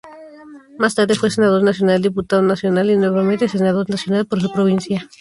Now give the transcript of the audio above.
Más tarde fue senador nacional, Diputado Nacional y nuevamente Senador Nacional por su provincia.